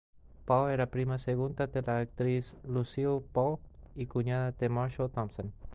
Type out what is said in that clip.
Ball era prima segunda de la actriz Lucille Ball y cuñada de Marshall Thompson.